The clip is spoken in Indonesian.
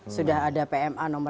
sudah ada pma nomor